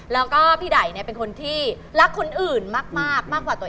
แล้วก็พี่ได่เนี่ยเป็นคนที่รักคนอื่นมาก